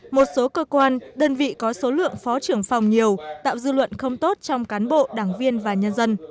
một số cơ quan đơn vị có số lượng phó trưởng phòng nhiều tạo dư luận không tốt trong cán bộ đảng viên và nhân dân